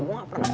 gue gak pernah